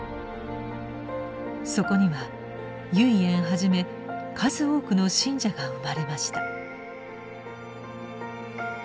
そこには唯円はじめ数多くの信者が生まれました。